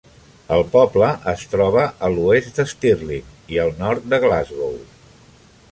El poble es troba a l'oest de Stirling i al nord de Glasgow.